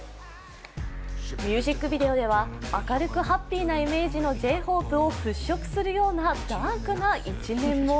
ミュージックビデオでは明るくハッピーなイメージのＪ−ＨＯＰＥを払拭するようなダークな一面も。